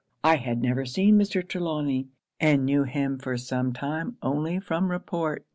'I had never seen Mr. Trelawny; and knew him for some time only from report.